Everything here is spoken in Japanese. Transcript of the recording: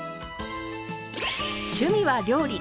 趣味は料理。